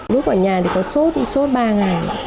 lúc ở nhà thì có suốt suốt ba ngày